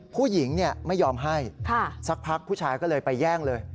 ผู้หญิงไม่ยอมให้สักพักผู้ชายก็เลยไปแย่งเลย